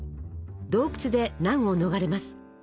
洞窟で難を逃れます。